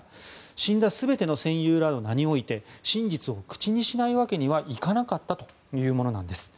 死んだ全ての戦友らの名において真実を口にしないわけにはいかなかったというものなんです。